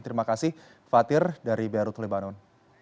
terima kasih fatir dari beirut lebanon